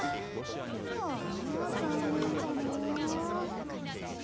ああ残念だなあ。